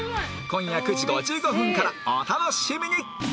今夜９時５５分からお楽しみに！